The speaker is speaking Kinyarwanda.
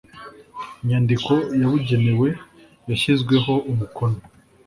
nyandiko yabugenewe yashyizweho umukono